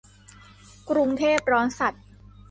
กรุงเทพร้อนสัส